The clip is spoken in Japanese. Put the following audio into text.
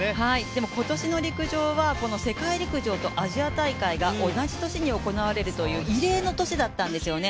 でも今年の陸上は世界陸上とアジア大会が同じ年に行われるという異例の年だったんですよね。